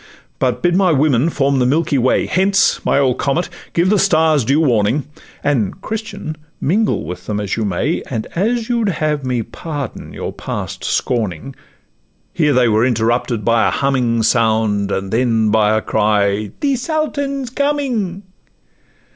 But bid my women form the milky way. Hence, my old comet! give the stars due warning— And, Christian! mingle with them as you may, And as you'd have me pardon your past scorning ' Here they were interrupted by a humming Sound, and then by a cry, 'The Sultan 's coming!